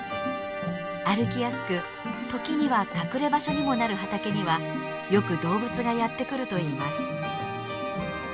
歩きやすく時には隠れ場所にもなる畑にはよく動物がやって来るといいます。